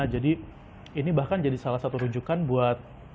jadi ini bahkan jadi salah satu tunjukkan buat